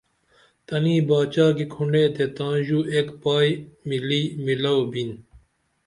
تنی باچا کی کُھنڈے تے تائی ژو ایک پائی ملی میلوبین